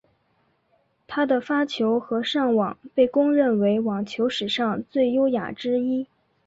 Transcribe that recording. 他的发球和上网被公认为网球史上最优雅之一。